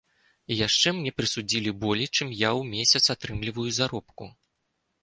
І яшчэ, мне прысудзілі болей, чым я ў месяц атрымліваю заробку.